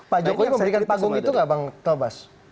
pak jokowi memberikan panggung itu nggak bang tobas